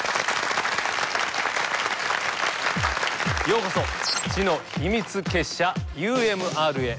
ようこそ知の秘密結社ＵＭＲへ。